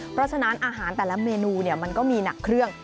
เพราะฉะนั้นอาหารแต่ละเมนูมันก็มีหนักเครื่อง